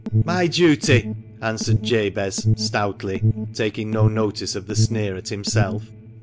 "My duty!" answered Jabez, stoutly, taking no notice of the sneer at himself.